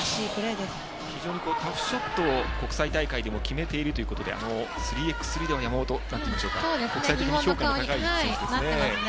非常にショットを国際大会でも決めているということで３ｘ３では、山本国際的に評価の高い選手ですね。